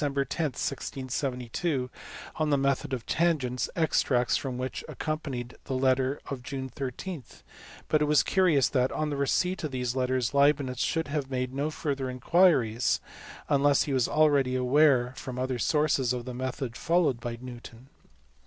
10, 1672 on the method of tangents, extracts from which accompanied f the letter of June 13 but it is curious that, on the receipt of these letters, Leibnitz should have made no further inquiries, unless he was already aware from other sources of the method followed by Newton.